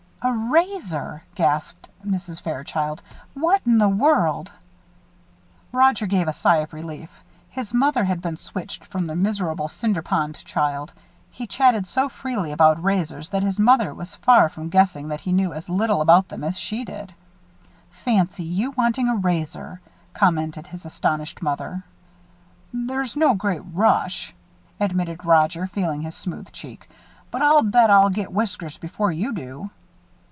"A razor!" gasped Mrs. Fairchild. "What in the world " Roger gave a sigh of relief. His mother had been switched from that miserable Cinder Pond child. He chatted so freely about razors that his mother was far from guessing that he knew as little about them as she did. "Fancy you wanting a razor!" commented his astonished mother. "There's no great rush," admitted Roger, feeling his smooth cheek, "but I bet I'll get whiskers before you do."